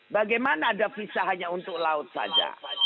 bagaimana ada visa hanya untuk laut saja